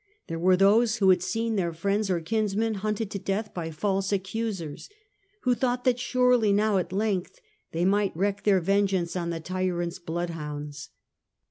There were those who had seen their friends or kinsmen hunted to death by false accusers, who thought that surely now at length they might wreak their vengeance on the tyrant's bloodhounds.